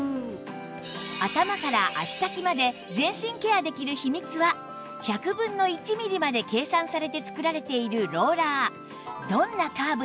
頭から足先まで全身ケアできる秘密は１００分の１ミリまで計算されて作られているローラー